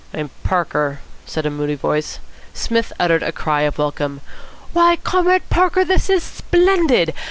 "I'm Parker," said a moody voice. Psmith uttered a cry of welcome. "Why, Comrade Parker, this is splendid!